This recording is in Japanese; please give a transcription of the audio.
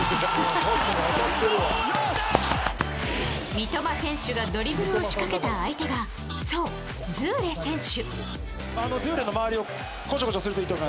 三笘選手がドリブルを仕掛けた相手がそう、ズーレ選手。